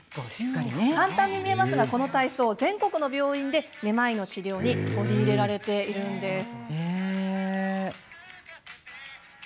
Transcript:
簡単に見えますが、この体操全国の病院でめまいの治療に取り入れられているんです。